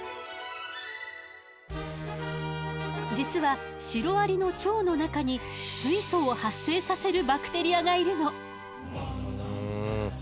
実はシロアリの腸の中に水素を発生させるバクテリアがいるの。